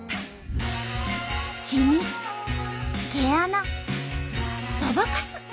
しみ毛穴そばかす。